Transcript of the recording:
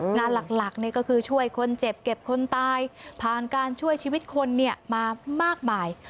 งานหลักก็คือช่วยคนเจ็บเก็บคนตายผ่านการช่วยชีวิตคนมามากมาย